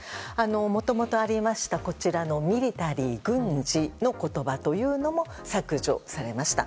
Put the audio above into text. もともとありました、こちらのＭｉｌｉｔａｒｙ・軍事の言葉というのも削除されました。